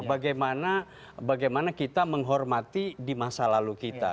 bagaimana kita menghormati di masa lalu kita